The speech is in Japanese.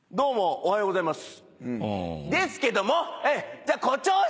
おはようございます！